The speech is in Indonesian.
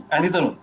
kan itu lho